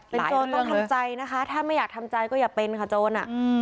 เป็นโจรต้องทำใจนะคะถ้าไม่อยากทำใจก็อย่าเป็นค่ะโจรอะ